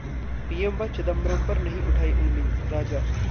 PM व चिदंबरम पर नहीं उठाई उंगली: राजा